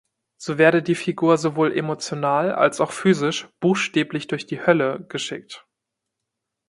So werde die Figur sowohl emotional als auch physisch „buchstäblich durch die Hölle“ geschickt.